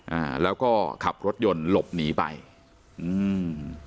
อ่าแล้วก็ขับรถยนต์หลบหนีไปอืม